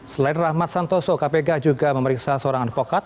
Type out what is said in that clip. selain rahmat santoso kpk juga memeriksa seorang advokat